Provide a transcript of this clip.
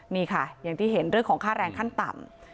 นี่ค่ะอย่างที่เห็นเรื่องของค่าแรงขั้นต่ำ